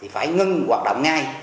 phải ngưng hoạt động ngay